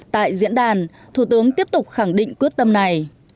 tại diễn đàn thủ tướng tiếp tục khẳng định quyết tâm này